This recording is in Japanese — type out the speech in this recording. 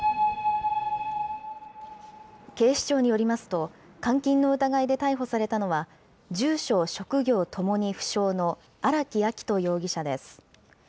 警視庁によりますと、監禁の疑いで逮捕されたのは、住所・職業ともに不詳の荒木秋冬容疑者です。